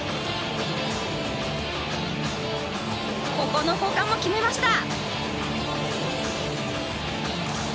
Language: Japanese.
ここの交換も決めました。